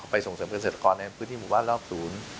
ส่งเสริมเกษตรกรในพื้นที่หมู่บ้านรอบศูนย์